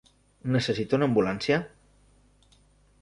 Necessita una ambulància?